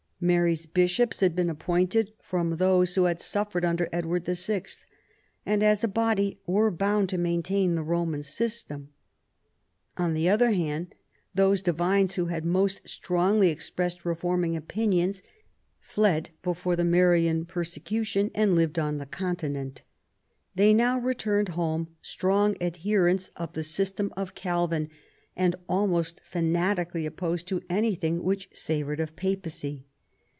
Mary's bishops had been appointed from those who had suffered under Edward VL, and as a body were bound to maintain the Roman system. On the other hand, those divines who had most strongly expressed reforming opinions, fled before the Marian persecution, and lived on the Continent. They now returned home strong adherents of the system of Calvin and almost fanatically opposed to anything which savoured of Papacy.